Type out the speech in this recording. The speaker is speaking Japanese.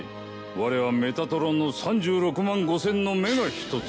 我はメタトロンの３６万５０００の目がひとつ